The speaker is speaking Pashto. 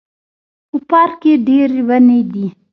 په پارک کې ډیري وني دي